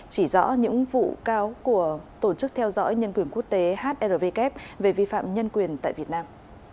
chỉ rõ những vụ cáo của tổ chức theo dõi nhân quyền quốc tế hrvk về vi phạm nhân quyền tại việt nam